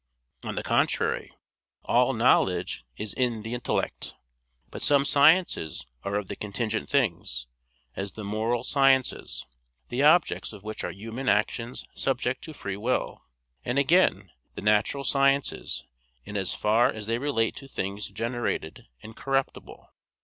On the contrary, All knowledge is in the intellect. But some sciences are of the contingent things, as the moral sciences, the objects of which are human actions subject to free will; and again, the natural sciences in as far as they relate to things generated and corruptible.